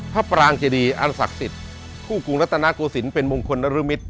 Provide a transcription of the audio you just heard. ปรางเจดีอันศักดิ์สิทธิ์คู่กรุงรัฐนาโกศิลป์เป็นมงคลนรมิตร